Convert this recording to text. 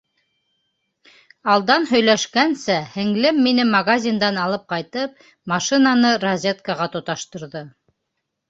Алдан һөйләшкәнсә, һеңлем мине магазиндан алып ҡайтып, «машина»ны розеткаға тоташтырҙы.